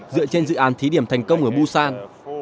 dựa trên dự án thí điểm thành công ở busan